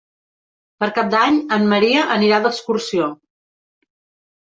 Per Cap d'Any en Maria anirà d'excursió.